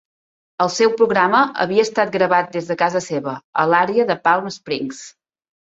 El seu programa havia estat gravat des de casa seva, a l'àrea de Palm Springs.